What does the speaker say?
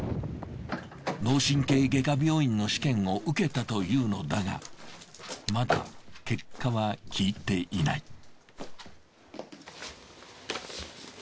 脳神経外科病院の試験を受けたというのだがまだ結果は聞いていない。